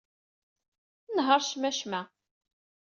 Nheṛ cmacma.